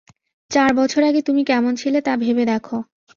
চার বছর আগে তুমি কেমন ছিলে তা ভেবে দেখো।